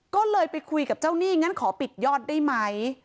ก็เลยไปคุยกับเจ้าหนี้งั้นขอปิดยอดได้ไหม